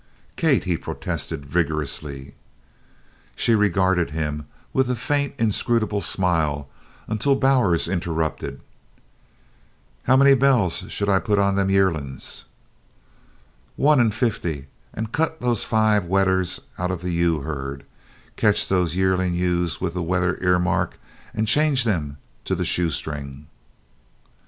"Kate!" he protested vigorously. She regarded him with a faint inscrutable smile until Bowers interrupted: "How many bells shall I put on them yearlin's?" "One in fifty; and cut those five wethers out of the ewe herd. Catch those yearling ewes with the wether earmark and change to the shoe string."